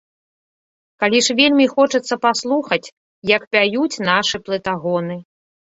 Калі ж вельмі хочацца паслухаць, як пяюць нашы плытагоны.